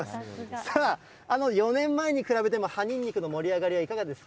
さあ、４年前に比べて、葉ニンニクの盛り上がりはいかがですか。